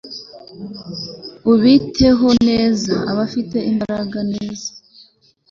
ubiteho neza abafite imbaraga neza